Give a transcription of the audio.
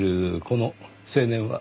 この青年は？